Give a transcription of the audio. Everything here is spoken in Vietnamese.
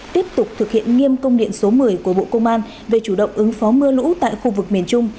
tiếp tục thực hiện nghiêm công điện số một mươi của bộ công an về chủ động ứng phó mưa lũ tại khu vực miền trung